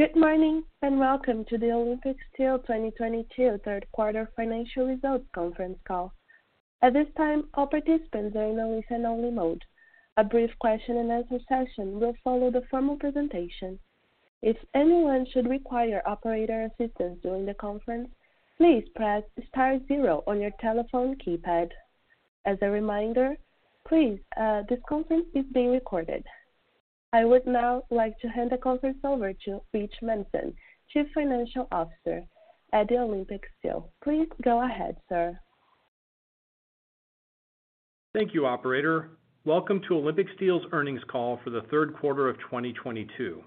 Good morning, and Welcome to the Olympic Steel 2022 Third Quarter Financial Results Conference Call. At this time, all participants are in a listen-only mode. A brief question and answer session will follow the formal presentation. If anyone should require operator assistance during the conference, please press star zero on your telephone keypad. As a reminder, please, this conference is being recorded. I would now like to hand the conference over to Rich Manson, Chief Financial Officer at Olympic Steel. Please go ahead, sir. Thank you, operator. Welcome to Olympic Steel's Earnings Call for the Third Quarter of 2022.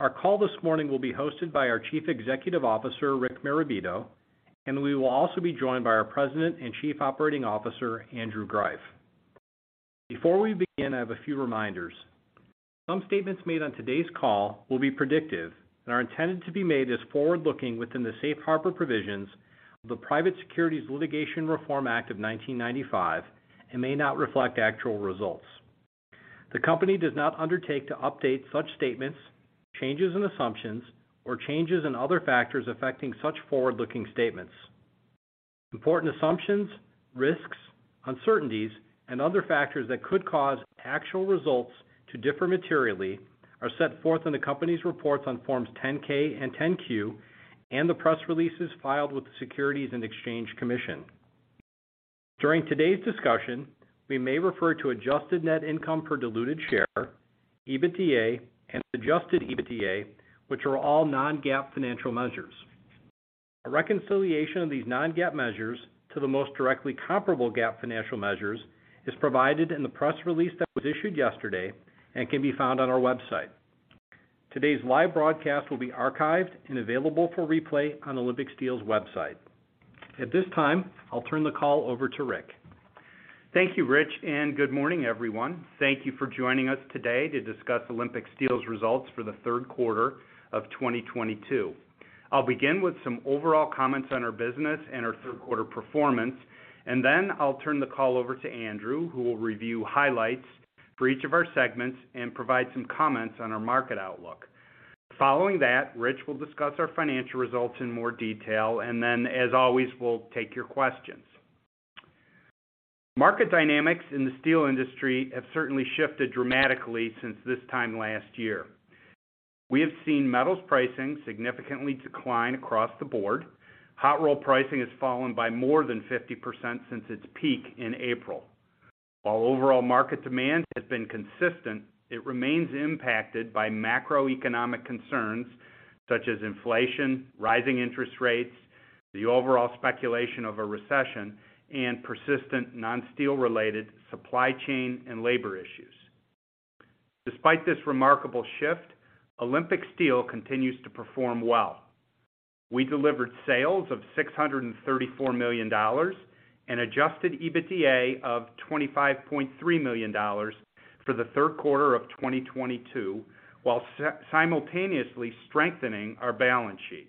Our call this morning will be hosted by our Chief Executive Officer, Richard Marabito, and we will also be joined by our President and Chief Operating Officer, Andrew Greiff. Before we begin, I have a few reminders. Some statements made on today's call will be predictive and are intended to be made as forward-looking within the Safe Harbor provisions of the Private Securities Litigation Reform Act of 1995 and may not reflect actual results. The company does not undertake to update such statements, changes in assumptions, or changes in other factors affecting such forward-looking statements. Important assumptions, risks, uncertainties, and other factors that could cause actual results to differ materially are set forth in the company's reports on Forms 10-K and 10-Q and the press releases filed with the Securities and Exchange Commission. During today's discussion, we may refer to adjusted net income per diluted share, EBITDA, and adjusted EBITDA, which are all non-GAAP financial measures. A reconciliation of these non-GAAP measures to the most directly comparable GAAP financial measures is provided in the press release that was issued yesterday and can be found on our website. Today's live broadcast will be archived and available for replay on Olympic Steel's website. At this time, I'll turn the call over to Rick. Thank you, Rich, and good morning, everyone. Thank you for joining us today to discuss Olympic Steel's Results for the Third Quarter of 2022. I'll begin with some overall comments on our business and our third quarter performance, and then I'll turn the call over to Andrew, who will review highlights for each of our segments and provide some comments on our market outlook. Following that, Rich will discuss our financial results in more detail, and then, as always, we'll take your questions. Market dynamics in the steel industry have certainly shifted dramatically since this time last year. We have seen metals pricing significantly decline across the board. Hot-rolled pricing has fallen by more than 50% since its peak in April. While overall market demand has been consistent, it remains impacted by macroeconomic concerns such as inflation, rising interest rates, the overall speculation of a recession, and persistent non-steel-related supply chain and labor issues. Despite this remarkable shift, Olympic Steel continues to perform well. We delivered sales of $634 million and adjusted EBITDA of $25.3 million for the third quarter of 2022, while simultaneously strengthening our balance sheet.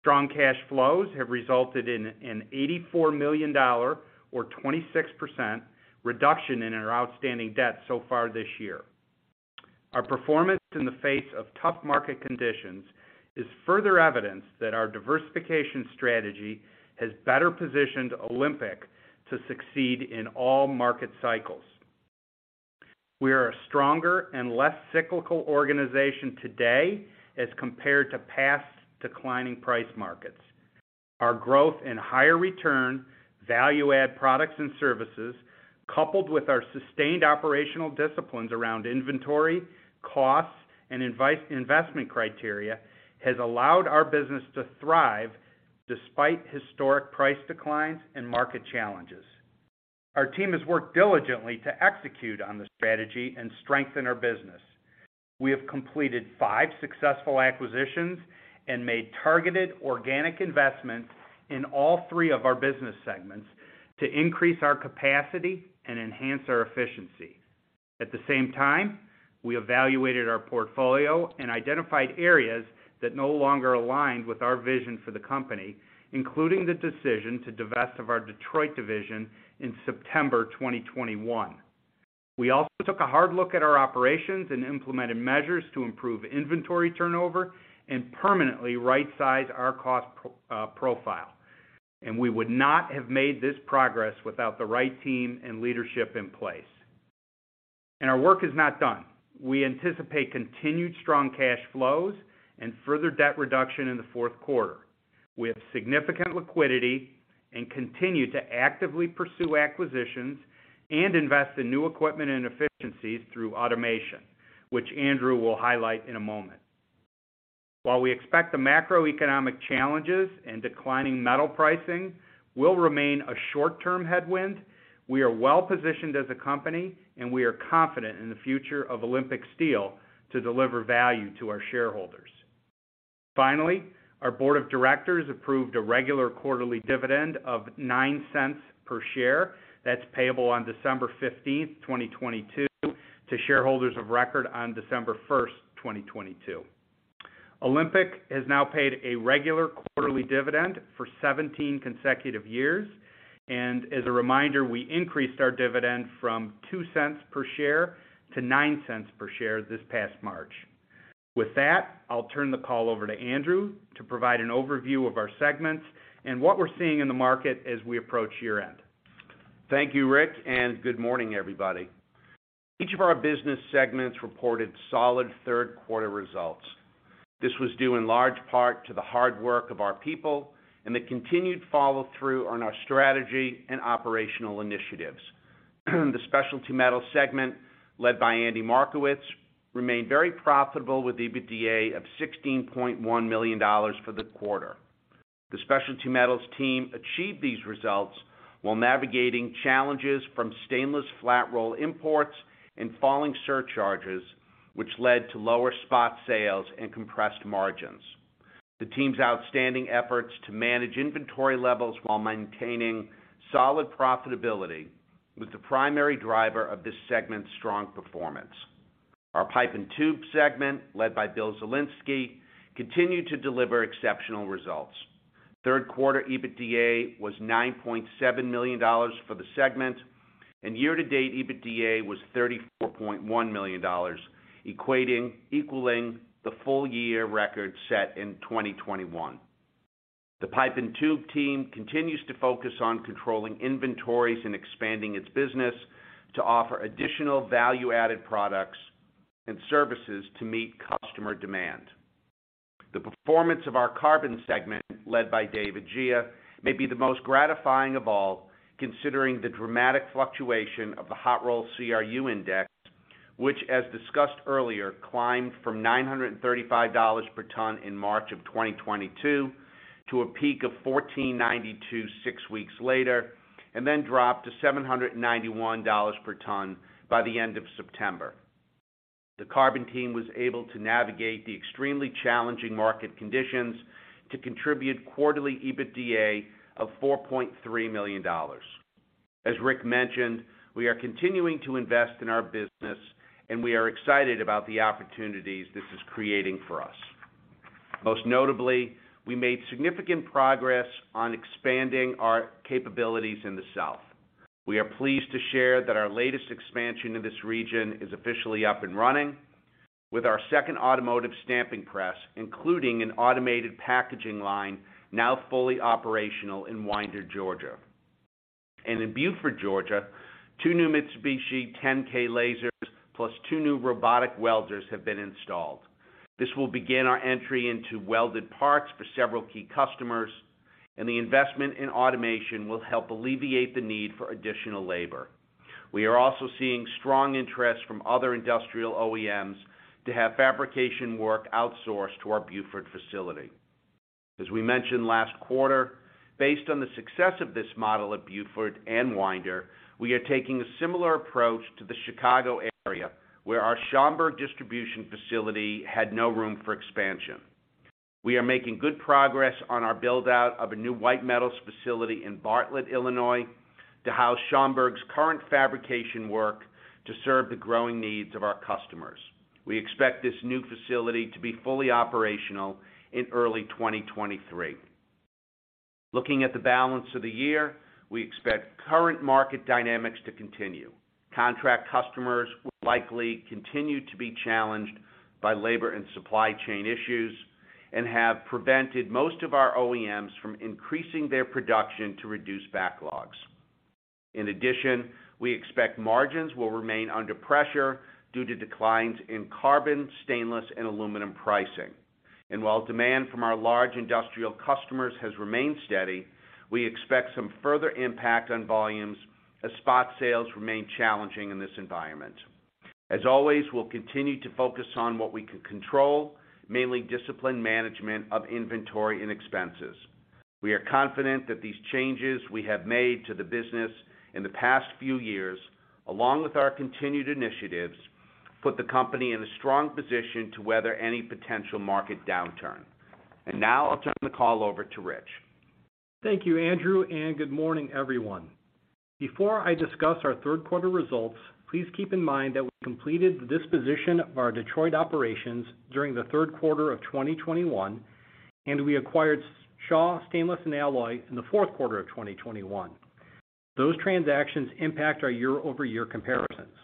Strong cash flows have resulted in an $84 million or 26% reduction in our outstanding debt so far this year. Our performance in the face of tough market conditions is further evidence that our diversification strategy has better positioned Olympic to succeed in all market cycles. We are a stronger and less cyclical organization today as compared to past declining price markets. Our growth in higher return, value add products and services, coupled with our sustained operational disciplines around inventory, costs, and investment criteria, has allowed our business to thrive despite historic price declines and market challenges. Our team has worked diligently to execute on the strategy and strengthen our business. We have completed five successful acquisitions and made targeted organic investments in all three of our business segments to increase our capacity and enhance our efficiency. At the same time, we evaluated our portfolio and identified areas that no longer aligned with our vision for the company, including the decision to divest of our Detroit division in September 2021. We also took a hard look at our operations and implemented measures to improve inventory turnover and permanently right-size our cost profile. We would not have made this progress without the right team and leadership in place. Our work is not done. We anticipate continued strong cash flows and further debt reduction in the fourth quarter. We have significant liquidity and continue to actively pursue acquisitions and invest in new equipment and efficiencies through automation, which Andrew will highlight in a moment. While we expect the macroeconomic challenges and declining metal pricing will remain a short-term headwind, we are well-positioned as a company, and we are confident in the future of Olympic Steel to deliver value to our shareholders. Finally, our board of directors approved a regular quarterly dividend of $0.09 per share that's payable on December 15th, 2022 to shareholders of record on December 1st, 2022. Olympic has now paid a regular quarterly dividend for 17 consecutive years, and as a reminder, we increased our dividend from $0.02 per share to $0.09 per share this past March. With that, I'll turn the call over to Andrew to provide an overview of our segments and what we're seeing in the market as we approach year-end. Thank you, Rick, and good morning, everybody. Each of our business segments reported solid third quarter results. This was due in large part to the hard work of our people and the continued follow-through on our strategy and operational initiatives. The Specialty Metals segment, led by Andy Markowitz, remained very profitable with EBITDA of $16.1 million for the quarter. The Specialty Metals team achieved these results while navigating challenges from stainless flat roll imports and falling surcharges, which led to lower spot sales and compressed margins. The team's outstanding efforts to manage inventory levels while maintaining solid profitability was the primary driver of this segment's strong performance. Our Pipe and Tube segment, led by Bill Zielinski, continued to deliver exceptional results. Third quarter EBITDA was $9.7 million for the segment, and year-to-date EBITDA was $34.1 million, equaling the full-year record set in 2021. The Pipe & Tube team continues to focus on controlling inventories and expanding its business to offer additional value-added products and services to meet customer demand. The performance of our carbon segment, led by David J. Gea, may be the most gratifying of all, considering the dramatic fluctuation of the Hot-Rolled Coil CRU Index, which, as discussed earlier, climbed from $935 per ton in March 2022 to a peak of $1,492 six weeks later, and then dropped to $791 per ton by the end of September. The carbon team was able to navigate the extremely challenging market conditions to contribute quarterly EBITDA of $4.3 million. As Rick mentioned, we are continuing to invest in our business, and we are excited about the opportunities this is creating for us. Most notably, we made significant progress on expanding our capabilities in the South. We are pleased to share that our latest expansion in this region is officially up and running with our second automotive stamping press, including an automated packaging line, now fully operational in Winder, Georgia. In Buford, Georgia, 2 new Mitsubishi 10K lasers plus 2 new robotic welders have been installed. This will begin our entry into welded parts for several key customers, and the investment in automation will help alleviate the need for additional labor. We are also seeing strong interest from other industrial OEMs to have fabrication work outsourced to our Buford facility. As we mentioned last quarter, based on the success of this model at Buford and Winder, we are taking a similar approach to the Chicago area, where our Schaumburg distribution facility had no room for expansion. We are making good progress on our build-out of a new white metals facility in Bartlett, Illinois, to house Schaumburg's current fabrication work to serve the growing needs of our customers. We expect this new facility to be fully operational in early 2023. Looking at the balance of the year, we expect current market dynamics to continue. Contract customers will likely continue to be challenged by labor and supply chain issues, and have prevented most of our OEMs from increasing their production to reduce backlogs. In addition, we expect margins will remain under pressure due to declines in carbon, stainless, and aluminum pricing. While demand from our large industrial customers has remained steady, we expect some further impact on volumes as spot sales remain challenging in this environment. As always, we'll continue to focus on what we can control, mainly disciplined management of inventory and expenses. We are confident that these changes we have made to the business in the past few years, along with our continued initiatives, put the company in a strong position to weather any potential market downturn. Now I'll turn the call over to Rich. Thank you, Andrew, and good morning, everyone. Before I discuss our third quarter results, please keep in mind that we completed the disposition of our Detroit operations during the third quarter of 2021, and we acquired Shaw Stainless & Alloy in the fourth quarter of 2021. Those transactions impact our year-over-year comparisons.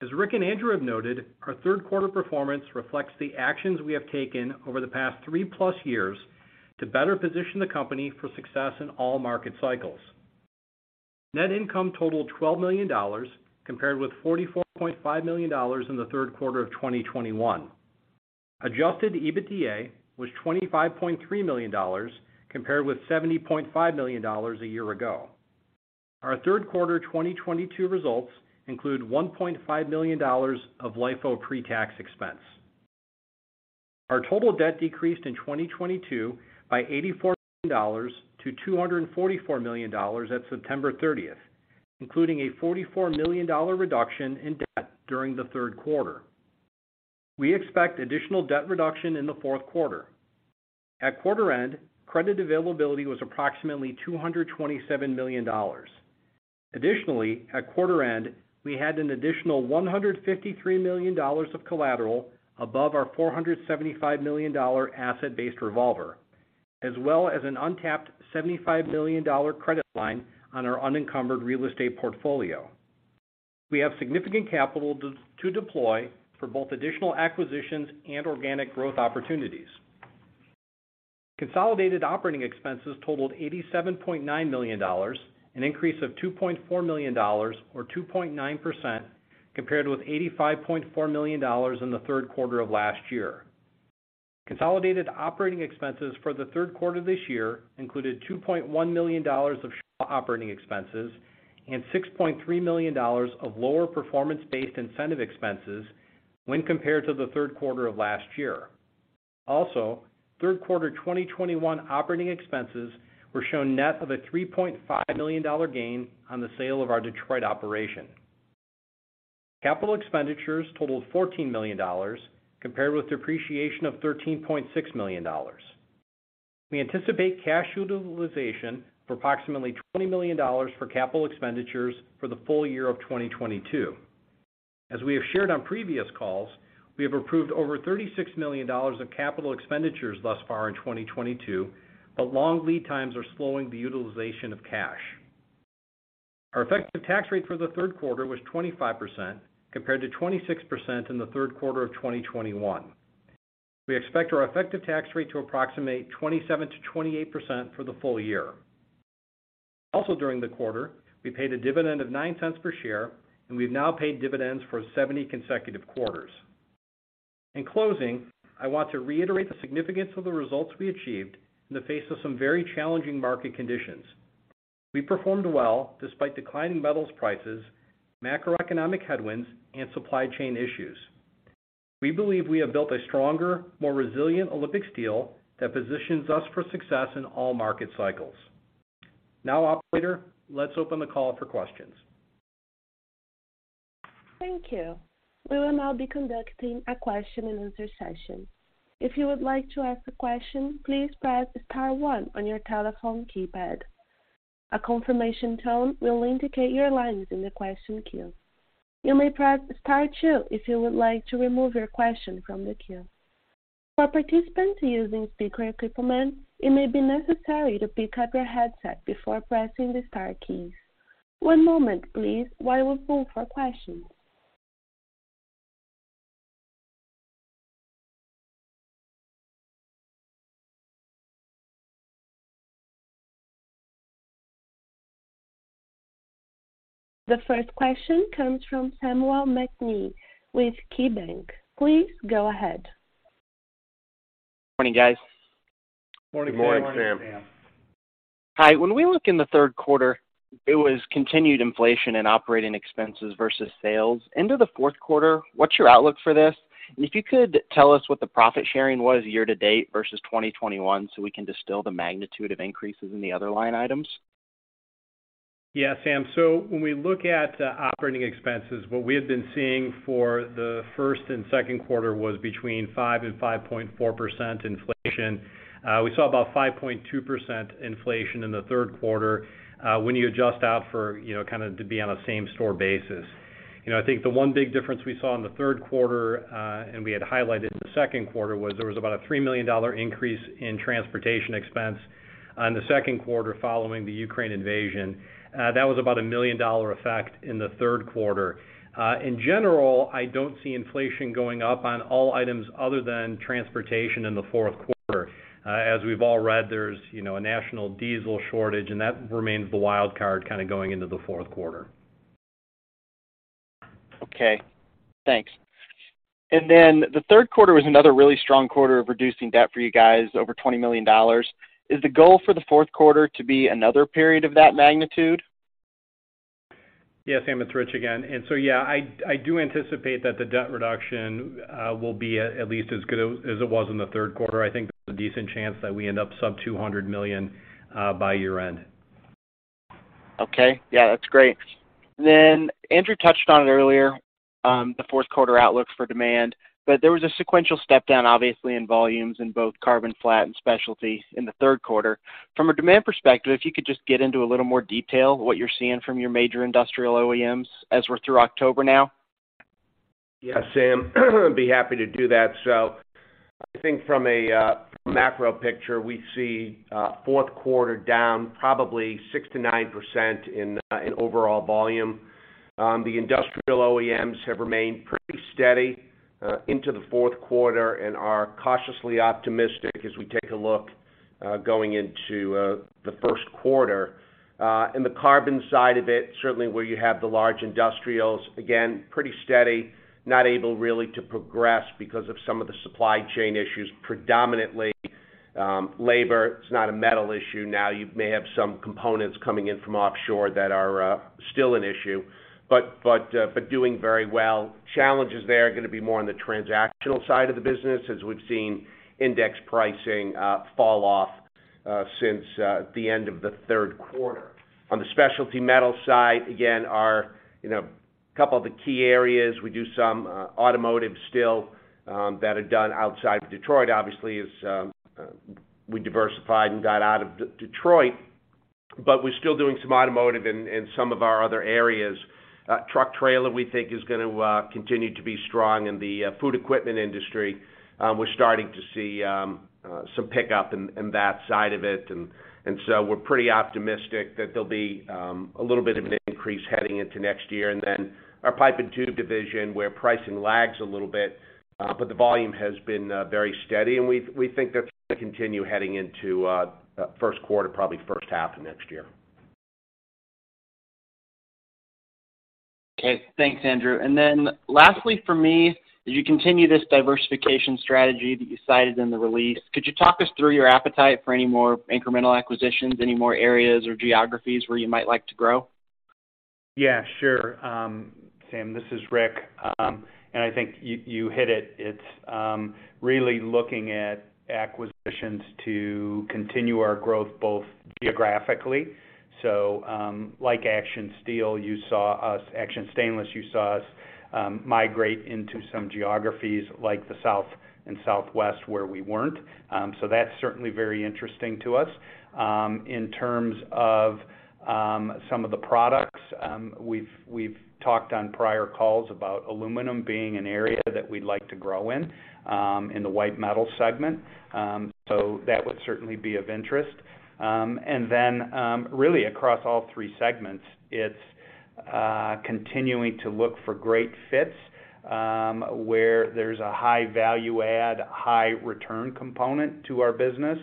As Rick and Andrew have noted, our third quarter performance reflects the actions we have taken over the past three-plus years to better position the company for success in all market cycles. Net income totaled $12 million, compared with $44.5 million in the third quarter of 2021. Adjusted EBITDA was $25.3 million, compared with $70.5 million a year ago. Our third quarter 2022 results include $1.5 million of LIFO pre-tax expense. Our total debt decreased in 2022 by $84 million to $244 million at September 30th, including a $44 million dollar reduction in debt during the third quarter. We expect additional debt reduction in the fourth quarter. At quarter end, credit availability was approximately $227 million. Additionally, at quarter end, we had an additional $153 million of collateral above our $475 million asset-based revolver. As well as an untapped $75 million dollar credit line on our unencumbered real estate portfolio. We have significant capital to deploy for both additional acquisitions and organic growth opportunities. Consolidated operating expenses totaled $87.9 million, an increase of $2.4 million or 2.9% compared with $85.4 million in the third quarter of last year. Consolidated operating expenses for the third quarter this year included $2.1 million of operating expenses and $6.3 million of lower performance-based incentive expenses when compared to the third quarter of last year. Also, third quarter 2021 operating expenses were shown net of a $3.5 million gain on the sale of our Detroit operation. Capital expenditures totaled $14 million compared with depreciation of $13.6 million. We anticipate cash utilization for approximately $20 million for capital expenditures for the full year of 2022. As we have shared on previous calls, we have approved over $36 million of capital expenditures thus far in 2022, but long lead times are slowing the utilization of cash. Our effective tax rate for the third quarter was 25%, compared to 26% in the third quarter of 2021. We expect our effective tax rate to approximate 27%-28% for the full year. Also, during the quarter, we paid a dividend of $0.09 per share, and we've now paid dividends for 70 consecutive quarters. In closing, I want to reiterate the significance of the results we achieved in the face of some very challenging market conditions. We performed well despite declining metals prices, macroeconomic headwinds, and supply chain issues. We believe we have built a stronger, more resilient Olympic Steel that positions us for success in all market cycles. Now, operator, let's open the call for questions. Thank you. We will now be conducting a question-and-answer session. If you would like to ask a question, please press star one on your telephone keypad. A confirmation tone will indicate your line is in the question queue. You may press star two if you would like to remove your question from the queue. For participants using speaker equipment, it may be necessary to pick up your headset before pressing the star keys. One moment please, while we pull for questions. The first question comes from Samuel McKinney with KeyBank. Please go ahead. Morning, guys. Morning, Sam. Morning, Sam. Hi. When we look in the third quarter, it was continued inflation in operating expenses versus sales. Into the fourth quarter, what's your outlook for this? If you could, tell us what the profit sharing was year-to-date versus 2021, so we can distill the magnitude of increases in the other line items? Yeah, Sam. When we look at operating expenses, what we had been seeing for the first and second quarter was between 5% and 5.4% inflation. We saw about 5.2% inflation in the third quarter when you adjust out for, you know, kind of to be on a same store basis. You know, I think the one big difference we saw in the third quarter and we had highlighted in the second quarter was there was about a $3 million increase in transportation expense on the second quarter following the Ukraine invasion. That was about a a million dollar effect in the third quarter. In general, I don't see inflation going up on all items other than transportation in the fourth quarter. As we've all read, there's, you know, a national diesel shortage, and that remains the wild card kind of going into the fourth quarter. Okay. Thanks. Then the third quarter was another really strong quarter of reducing debt for you guys, over $20 million. Is the goal for the fourth quarter to be another period of that magnitude? Yes. Sam, it's Rich again. Yeah, I do anticipate that the debt reduction will be at least as good as it was in the third quarter. I think there's a decent chance that we end up sub $200 million by year-end. Okay. Yeah, that's great. Andrew touched on it earlier, the fourth quarter outlook for demand, but there was a sequential step down, obviously, in volumes in both Carbon Flat and Specialty in the third quarter. From a demand perspective, if you could just get into a little more detail what you're seeing from your major industrial OEMs as we're through October now. Yeah, Sam, I'd be happy to do that. I think from a macro picture, we see fourth quarter down probably 6%-9% in overall volume. The industrial OEMs have remained pretty steady into the fourth quarter and are cautiously optimistic as we take a look going into the first quarter. In the carbon side of it, certainly where you have the large industrials, again, pretty steady, not able really to progress because of some of the supply chain issues, predominantly labor. It's not a metal issue now. You may have some components coming in from offshore that are still an issue, but doing very well. Challenges there are gonna be more on the transactional side of the business as we've seen index pricing fall off since the end of the third quarter. On the Specialty Metals side, again, our, you know, couple of the key areas, we do some automotive still that are done outside of Detroit, obviously, as we diversified and got out of Detroit. We're still doing some automotive in some of our other areas. Truck trailer, we think is gonna continue to be strong. In the food equipment industry, we're starting to see some pickup in that side of it. We're pretty optimistic that there'll be a little bit of an increase heading into next year. Our Pipe & Tube division, where pricing lags a little bit, but the volume has been very steady, and we think that's gonna continue heading into first quarter, probably first half of next year. Okay. Thanks, Andrew. Lastly for me, as you continue this diversification strategy that you cited in the release, could you talk us through your appetite for any more incremental acquisitions, any more areas or geographies where you might like to grow? Yeah, sure. Sam, this is Rick. I think you hit it. It's really looking at acquisitions to continue our growth both geographically. Like Action Stainless, you saw us migrate into some geographies like the South and Southwest, where we weren't. That's certainly very interesting to us. In terms of some of the products, we've talked on prior calls about aluminum being an area that we'd like to grow in the white metals segment. That would certainly be of interest. Then really across all three segments, it's continuing to look for great fits, where there's a high value add, high return component to our business.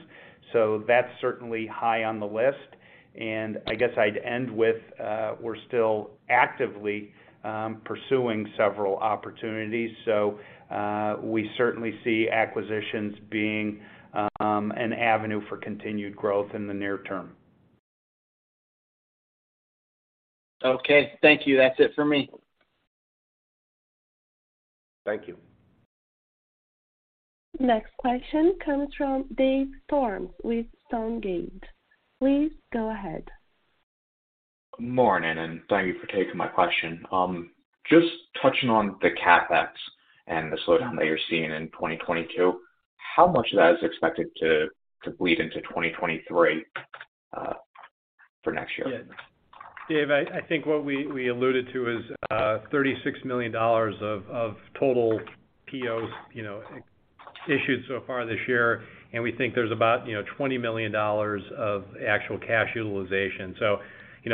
That's certainly high on the list. I guess I'd end with we're still actively pursuing several opportunities. We certainly see acquisitions being an avenue for continued growth in the near term. Okay. Thank you. That's it for me. Thank you. Next question comes from David Storms with Stonegate. Please go ahead. Morning, and thank you for taking my question. Just touching on the CapEx and the slowdown that you're seeing in 2022, how much of that is expected to bleed into 2023 for next year? Yeah. Dave, I think what we alluded to is $36 million of total POs, you know, issued so far this year, and we think there's about, you know, $20 million of actual cash utilization.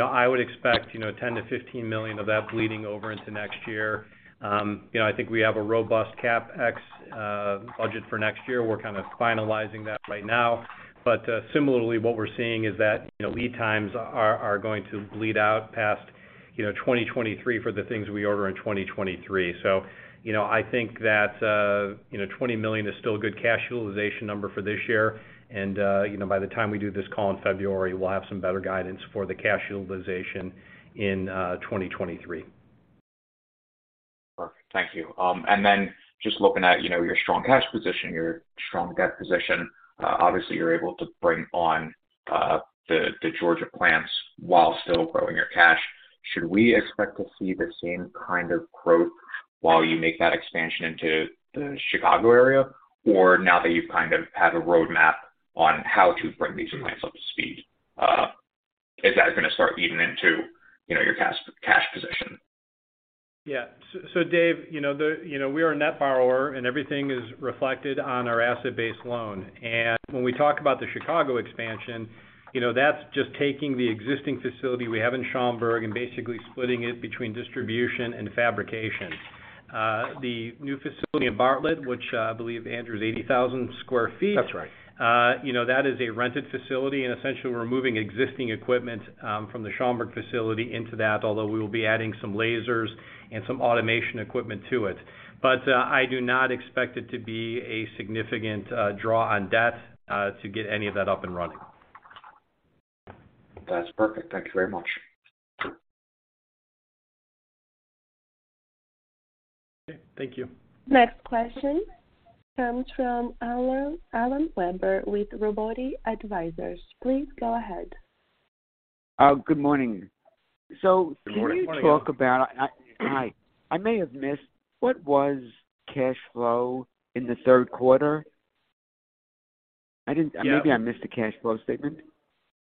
I would expect, you know, $10 million-$15 million of that bleeding over into next year. I think we have a robust CapEx budget for next year. We're kind of finalizing that right now. Similarly, what we're seeing is that, you know, lead times are going to bleed out past, you know, 2023 for the things we order in 2023. I think that, you know, $20 million is still a good cash utilization number for this year. You know, by the time we do this call in February, we'll have some better guidance for the cash utilization in 2023. Perfect. Thank you. Just looking at, you know, your strong cash position, your strong debt position, obviously, you're able to bring on the Georgia plants while still growing your cash. Should we expect to see the same kind of growth while you make that expansion into the Chicago area? Or now that you kind of have a roadmap on how to bring these new plants up to speed, is that gonna start eating into, you know, your cash position? Yeah. Dave, you know, we are a net borrower, and everything is reflected on our asset-based loan. When we talk about the Chicago expansion, you know, that's just taking the existing facility we have in Schaumburg and basically splitting it between distribution and fabrication. The new facility in Bartlett, which I believe Andrew is 80,000 sq ft. That's right. You know, that is a rented facility, and essentially we're moving existing equipment from the Schaumburg facility into that. Although we will be adding some lasers and some automation equipment to it. I do not expect it to be a significant draw on debt to get any of that up and running. That's perfect. Thank you very much. Okay. Thank you. Next question comes from Alan Weber with Robotti Advisors. Please go ahead. Good morning. Good morning, Alan. Hi. I may have missed what was cash flow in the third quarter? Yeah. Maybe I missed the cash flow statement.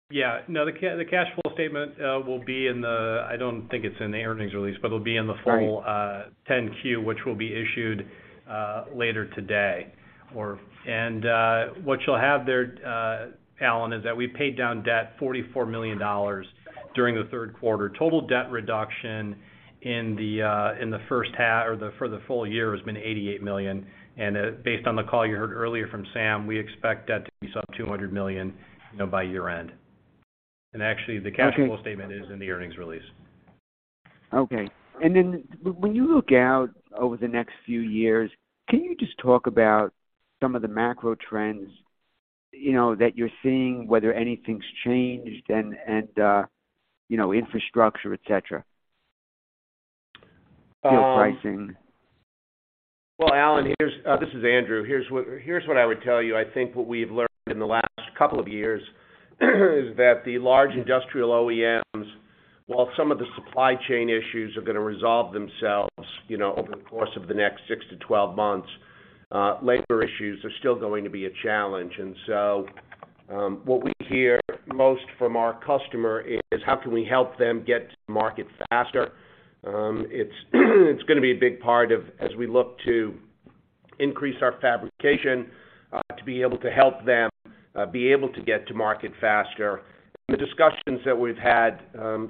Yeah. No, the cash flow statement, I don't think it's in the earnings release, but it'll be in the full- Sorry 10-Q, which will be issued later today. What you'll have there, Alan, is that we paid down debt $44 million during the third quarter. Total debt reduction in the first half or for the full year has been $88 million. Based on the call you heard earlier from Sam, we expect debt to be some $200 million, you know, by year-end. Actually, the cash flow statement is in the earnings release. Okay. When you look out over the next few years, can you just talk about some of the macro trends, you know, that you're seeing, whether anything's changed and you know, infrastructure, et cetera? Um- Your pricing. Well, Alan, this is Andrew. Here's what I would tell you. I think what we've learned in the last couple of years is that the large industrial OEMs. While some of the supply chain issues are gonna resolve themselves, you know, over the course of the next 6-12 months, labor issues are still going to be a challenge. What we hear most from our customer is how can we help them get to market faster? It's gonna be a big part of as we look to increase our fabrication to be able to help them be able to get to market faster. The discussions that we've had,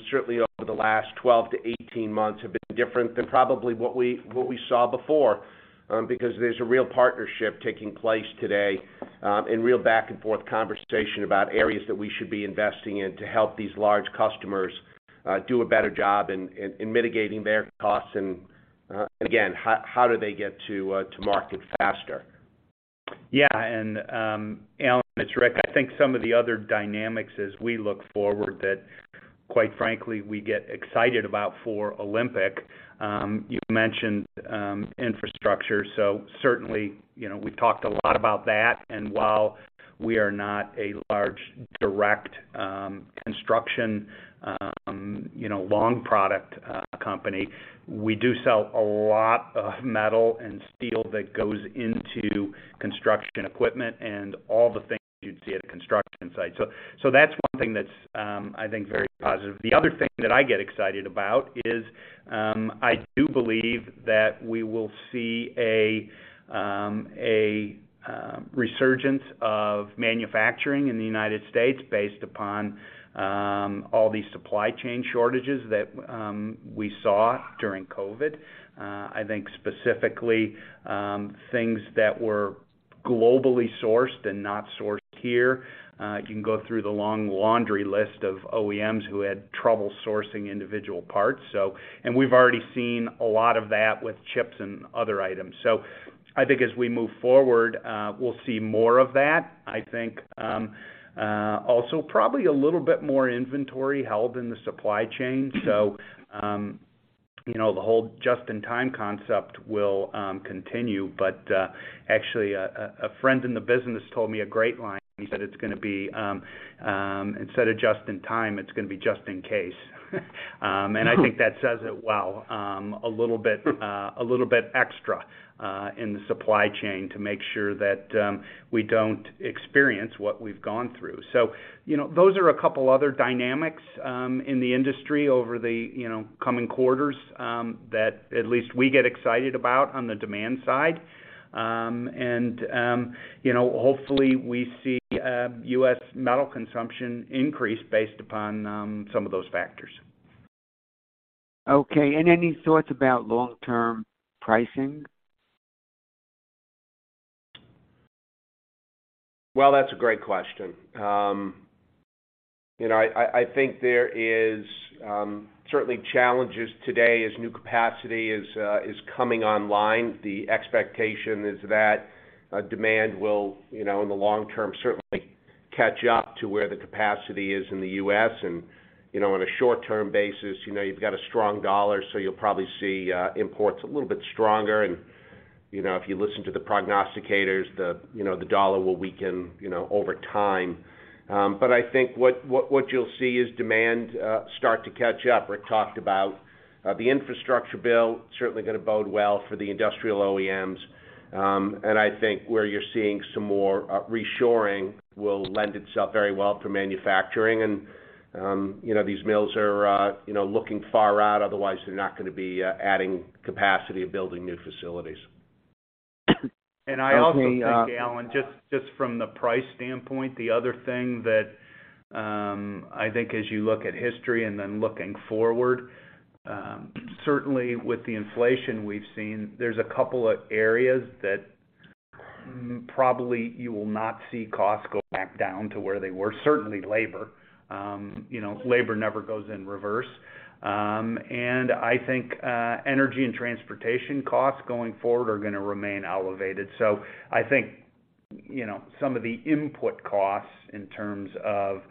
certainly over the last 12 months-18 months have been different than probably what we saw before, because there's a real partnership taking place today, and real back-and-forth conversation about areas that we should be investing in to help these large customers, do a better job in mitigating their costs and again, how do they get to market faster? Yeah. Alan, it's Rick. I think some of the other dynamics as we look forward that quite frankly we get excited about for Olympic, you've mentioned, infrastructure, so certainly, you know, we've talked a lot about that. While we are not a large direct construction, you know, long product company, we do sell a lot of metal and steel that goes into construction equipment and all the things you'd see at a construction site. So that's one thing that's, I think very positive. The other thing that I get excited about is, I do believe that we will see a resurgence of manufacturing in the United States based upon all these supply chain shortages that we saw during COVID. I think specifically, things that were globally sourced and not sourced here, you can go through the long laundry list of OEMs who had trouble sourcing individual parts, so. We've already seen a lot of that with chips and other items. I think as we move forward, we'll see more of that. I think also probably a little bit more inventory held in the supply chain. You know, the whole just-in-time concept will continue. Actually, a friend in the business told me a great line. He said it's gonna be instead of just in time, it's gonna be just in case. I think that says it well, a little bit extra in the supply chain to make sure that we don't experience what we've gone through. You know, those are a couple of other dynamics in the industry over the coming quarters that at least we get excited about on the demand side. You know, hopefully we see U.S. metal consumption increase based upon some of those factors. Okay. Any thoughts about long-term pricing? Well, that's a great question. You know, I think there is certainly challenges today as new capacity is coming online. The expectation is that demand will, you know, in the long term, certainly catch up to where the capacity is in the U.S. You know, on a short-term basis, you know, you've got a strong dollar, so you'll probably see imports a little bit stronger. You know, if you listen to the prognosticators, the, you know, the dollar will weaken, you know, over time. I think what you'll see is demand start to catch up. Rick talked about the infrastructure bill, certainly gonna bode well for the industrial OEMs. I think where you're seeing some more reshoring will lend itself very well to manufacturing. You know, these mills are you know, looking far out, otherwise they're not gonna be adding capacity or building new facilities. I also think, Alan, just from the price standpoint, the other thing that I think as you look at history and then looking forward, certainly with the inflation we've seen, there's a couple of areas that probably you will not see costs go back down to where they were. Certainly labor, you know, labor never goes in reverse. I think energy and transportation costs going forward are gonna remain elevated. So I think, you know, some of the input costs in terms of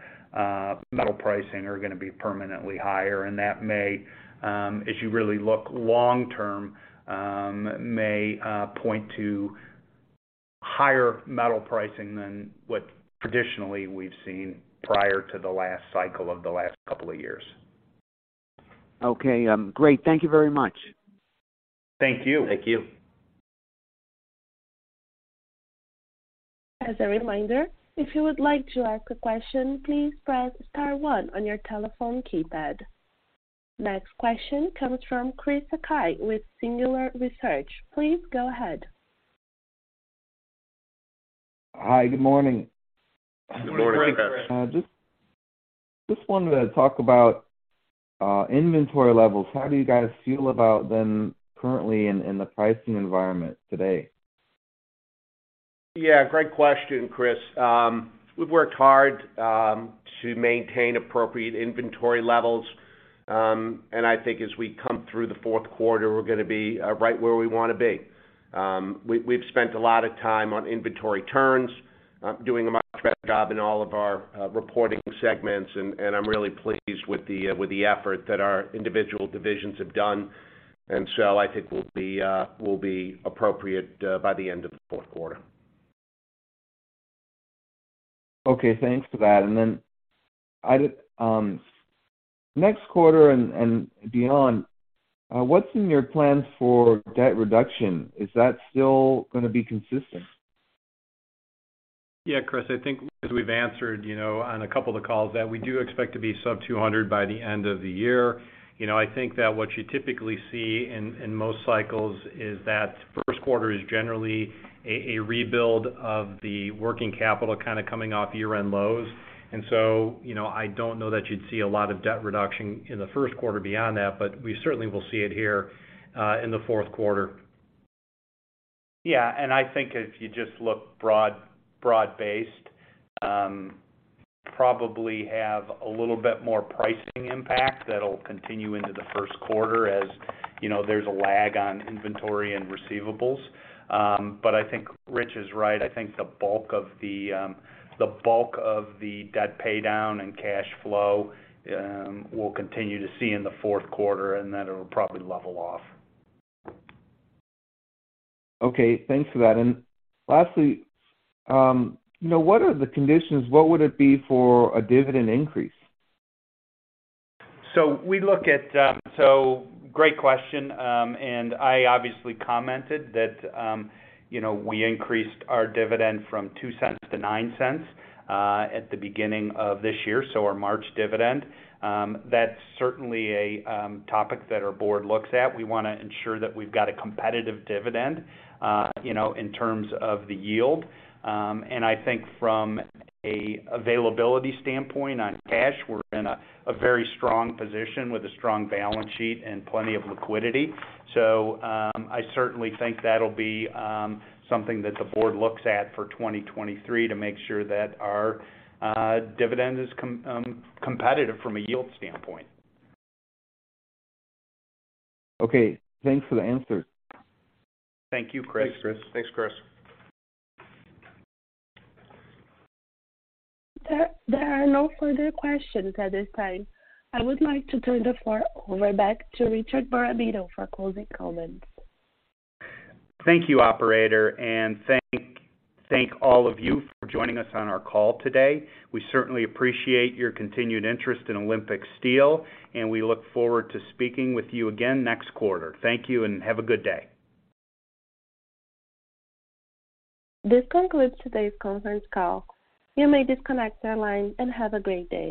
metal pricing are gonna be permanently higher, and that may, as you really look long term, may point to higher metal pricing than what traditionally we've seen prior to the last cycle of the last couple of years. Okay. Great. Thank you very much. Thank you. Thank you. As a reminder, if you would like to ask a question, please press star one on your telephone keypad. Next question comes from Chris Sakai with Singular Research. Please go ahead. Hi. Good morning. Good morning, Chris. Good morning. Just wanted to talk about inventory levels. How do you guys feel about them currently in the pricing environment today? Yeah, great question, Chris. We've worked hard to maintain appropriate inventory levels. I think as we come through the fourth quarter, we're gonna be right where we wanna be. We've spent a lot of time on inventory turns, doing a much better job in all of our reporting segments, and I'm really pleased with the effort that our individual divisions have done. I think we'll be appropriate by the end of the fourth quarter. Okay, thanks for that. Next quarter and beyond, what's in your plans for debt reduction? Is that still gonna be consistent? Yeah, Chris, I think as we've answered, you know, on a couple of the calls that we do expect to be sub $200 by the end of the year. You know, I think that what you typically see in most cycles is that first quarter is generally a rebuild of the working capital kind of coming off year-end lows. You know, I don't know that you'd see a lot of debt reduction in the first quarter beyond that, but we certainly will see it here in the fourth quarter. Yeah. I think if you just look broad-based, probably have a little bit more pricing impact that'll continue into the first quarter. As you know, there's a lag on inventory and receivables. I think Rich is right. I think the bulk of the debt pay down and cash flow we'll continue to see in the fourth quarter, and then it will probably level off. Okay, thanks for that. Lastly, you know, what are the conditions? What would it be for a dividend increase? Great question. I obviously commented that, you know, we increased our dividend from $0.02 to $0.09 at the beginning of this year, so our March dividend. That's certainly a topic that our board looks at. We wanna ensure that we've got a competitive dividend, you know, in terms of the yield. I think from an availability standpoint on cash, we're in a very strong position with a strong balance sheet and plenty of liquidity. I certainly think that'll be something that the board looks at for 2023 to make sure that our dividend is competitive from a yield standpoint. Okay. Thanks for the answers. Thank you, Chris. Thanks, Chris. Thanks, Chris. There are no further questions at this time. I would like to turn the floor over back to Richard Marabito for closing comments. Thank you, operator. Thank all of you for joining us on our call today. We certainly appreciate your continued interest in Olympic Steel, and we look forward to speaking with you again next quarter. Thank you and have a good day. This concludes today's conference call. You may disconnect your line and have a great day.